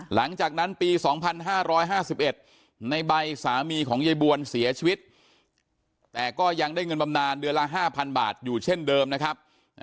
หลังจากนั้นปี๒๕๕๑ในใบสามีของยายบวนเสียชีวิตแต่ก็ยังได้เงินบำนานเดือนละ๕๐๐บาทอยู่เช่นเดิมนะครับ